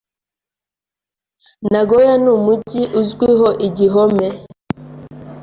Nagoya numujyi uzwiho igihome.